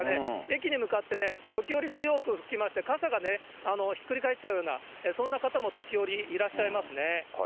駅に向かって時折、強く吹きまして、傘がひっくり返っちゃうような、そんな方も時折いらっしゃいますね。